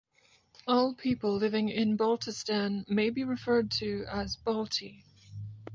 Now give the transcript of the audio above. All people living in Baltistan may be referred to as "Balti".